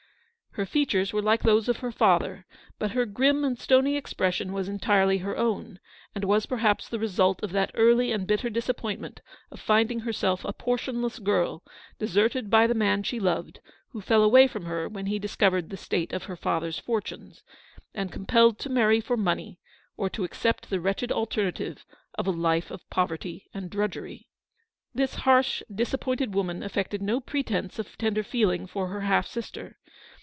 Her features were like those of her father, but her grim and stony expression was entirely her own, and was perhaps the result of that early and bitter disap pointment of finding herself a portionless girl, deserted by the man she loved, who fell away from her when he discovered the state of her father's fortunes, and compelled to marry for money, or to accept the wretched alternative of a life of poverty and drudgery. This harsh disappointed woman affected no pre tence of tender feeling for her half sister.